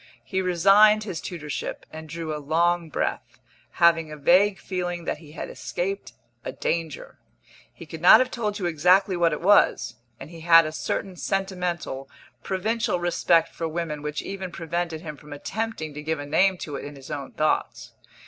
He resigned his tutorship, and drew a long breath, having a vague feeling that he had escaped a danger. He could not have told you exactly what it was, and he had a certain sentimental, provincial respect for women which even prevented him from attempting to give a name to it in his own thoughts.